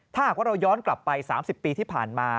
ถ้าหากว่าเราย้อนกลับไป๓๐ปีที่ผ่านมา